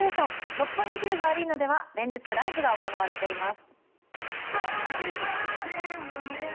六本木ヒルズアリーナでは連日ライブが行われています。